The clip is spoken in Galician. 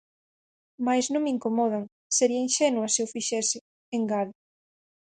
"Mais non me incomodan, sería inxenua se o fixese", engade.